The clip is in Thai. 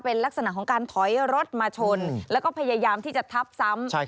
เป็นลักษณะของการถอยรถมาชนแล้วก็พยายามที่จะทับซ้ำ